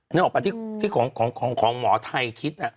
นึกออกป่ะที่ของหมอไทยคิดน่ะ